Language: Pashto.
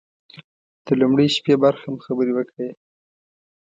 د لومړۍ شپې برخه مو خبرې وکړې.